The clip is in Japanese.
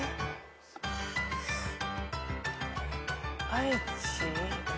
愛知？